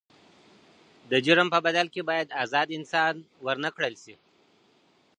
د جرم په بدل کي بايد ازاد انسان ورنکړل سي.